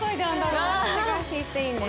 私が引いていいんですか？